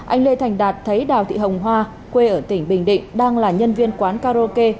anh lê thành đạt thấy đào thị hồng hoa quê ở tỉnh bình định đang là nhân viên quán karaoke